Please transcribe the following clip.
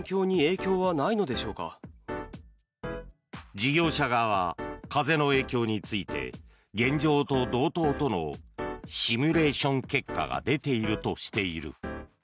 事業者側は風の影響について現状と同等とのシミュレーション結果が出ているとしている。